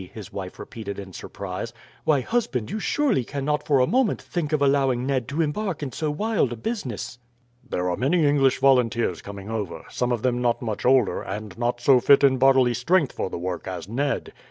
his wife repeated in surprise. "Why, husband, you surely cannot for a moment think of allowing Ned to embark in so wild a business." "There are many English volunteers coming over; some of them not much older, and not so fit in bodily strength for the work as Ned.